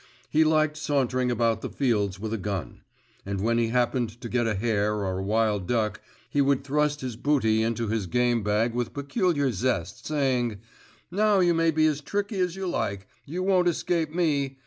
He liked sauntering about the fields with a gun; and when he happened to get a hare or a wild duck, he would thrust his booty into his game bag with peculiar zest, saying, 'Now, you may be as tricky as you like, you won't escape me!